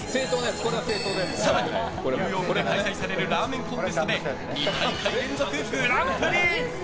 更に、ニューヨークで開催されるラーメンコンテストで２大会連続グランプリ！